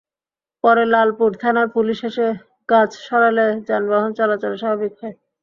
পরে লালপুর থানার পুলিশ এসে গাছ সরালে যানবাহন চলাচল স্বাভাবিক হয়।